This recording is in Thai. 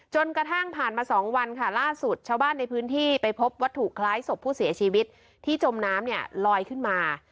จนกระทั่งผ่านมา๒วันค่ะล่าสุดชาวบ้านในพื้นที่ไปพบวัตถุคล้ายศพผู้เสียชีวิตที่จมน้ำเนี่ยลอยขึ้นมา